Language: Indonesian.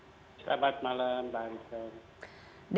selamat malam mbak riva